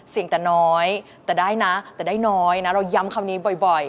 เสียงแต่น้อยแต่ได้นะแต่ได้น้อยนะเราย้ำคำนี้บ่อย